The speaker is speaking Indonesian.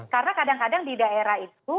karena kadang kadang di daerah itu